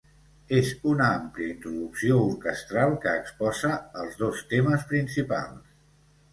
És una àmplia introducció orquestral que exposa els dos temes principals.